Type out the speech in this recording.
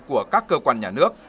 của các cơ quan nhà nước